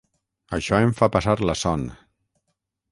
Això em fa passar la son.